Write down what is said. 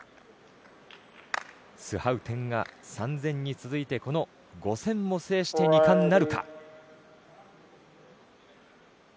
スハウテンが３０００に続いてこの５０００も制して２冠なるか。